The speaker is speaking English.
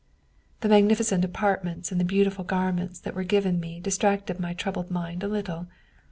" The magnificent apartments and the beautiful garments that were given me distracted my troubled mind a little.